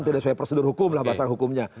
tidak sesuai prosedur hukum lah pasal hukumnya